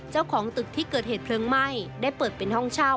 เจ้าของตึกที่เกิดเหตุเพลิงไหม้ได้เปิดเป็นห้องเช่า